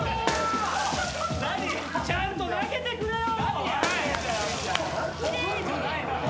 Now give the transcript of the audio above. ・ちゃんと投げてくれよ！